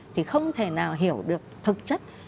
thì không thể nào hiểu được thực chất